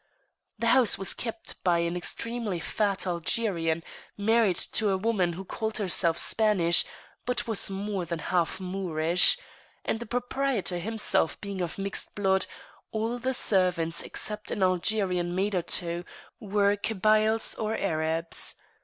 The house was kept by an extremely fat Algerian, married to a woman who called herself Spanish, but was more than half Moorish; and the proprietor himself being of mixed blood, all the servants except an Algerian maid or two, were Kabyles or Arabs.